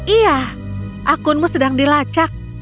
ya akunmu sedang dilacak